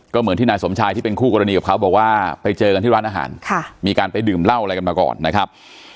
ก็เหมือนที่นายสมชายที่เป็นคู่กรณีกับเขาบอกว่าไปเจอกันที่ร้านอาหารมีการไปดื่มเหล้าอะไรกันมาก่อนนะครับ